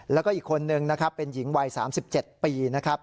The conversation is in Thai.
แล้วก็อีกคนนึงนะครับเป็นหญิงวัย๓๗ปีนะครับ